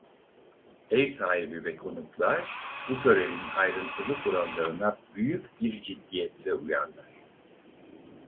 Ev sahibi ve konuklar bu törenin ayrıntılı kurallarına büyük bir ciddiyetle uyarlar.